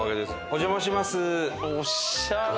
お邪魔します。